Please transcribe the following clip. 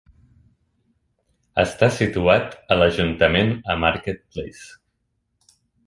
Està situat a l"ajuntament a Market Place.